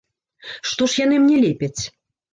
Што ж яны мне лепяць?!